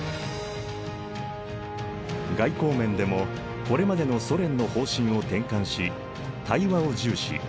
外交面でもこれまでのソ連の方針を転換し対話を重視。